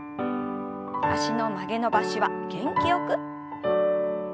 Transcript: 脚の曲げ伸ばしは元気よく。